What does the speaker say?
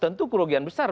tentu kerugian besar